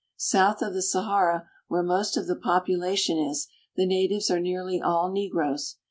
South of the Sahara, where most of the population is, the natives are nearly all negroes.